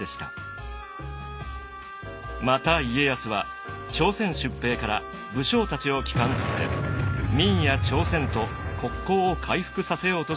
また家康は朝鮮出兵から武将たちを帰還させ明や朝鮮と国交を回復させようとします。